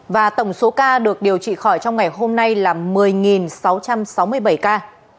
và tổng số ca được điều trị khỏi trong ngày hôm nay là một mươi sáu trăm sáu mươi bảy ca